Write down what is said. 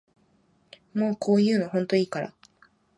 もうこういうのほんといいから